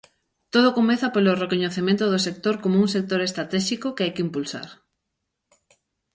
Todo comeza polo recoñecemento do sector como un sector estratéxico que hai que impulsar.